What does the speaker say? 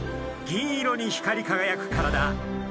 銀色に光りかがやく体。